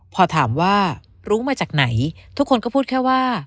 พอถามว่ารู้มาจากไหนทุกคนก็พูดแค่ว่า